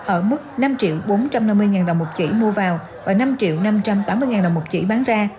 ở mức năm triệu bốn trăm năm mươi đồng một chỉ mua vào và năm năm trăm tám mươi đồng một chỉ bán ra